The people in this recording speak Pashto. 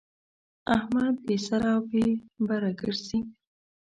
احمد بې سره او بې بره ګرځي.